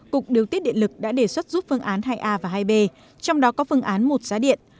cục điều tiết điện lực đã đề xuất giúp phương án hai a và hai b trong đó có phương án một giá điện